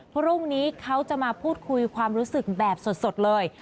พรุ่งนี้เขาจะมาพูดคุยความรู้สึกแบบสดเลย